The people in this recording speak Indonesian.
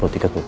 lo tiga tuh